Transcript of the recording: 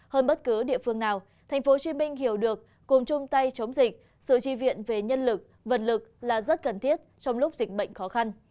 hơn bất cứ địa phương nào thành phố hồ chí minh hiểu được cùng chung tay chống dịch sự chi viện về nhân lực vận lực là rất cần thiết trong lúc dịch bệnh khó khăn